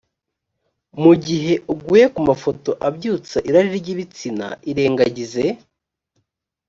mu gihe uguye ku mafoto abyutsa irari ry’ibitsina irengagize